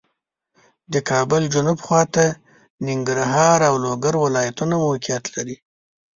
د کابل جنوب خواته ننګرهار او لوګر ولایتونه موقعیت لري